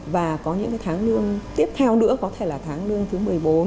và có những tháng lương tiếp theo nữa có thể là tháng lương thứ một mươi bốn